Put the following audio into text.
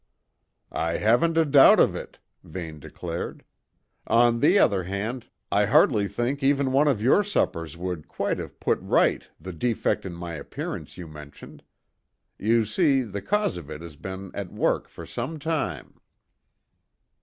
"I haven't a doubt of it," Vane declared. "On the other hand, I hardly think even one of your suppers would quite have put right the defect in my appearance you mentioned. You see, the cause of it has been at work for some time."